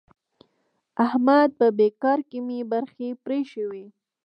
د احمد په بېګار کې مې برځې پرې شوې.